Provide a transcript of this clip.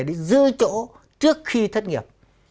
để giữ chỗ trước khi thất nghiệp